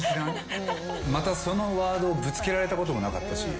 またそのワードをぶつけられたこともなかったし。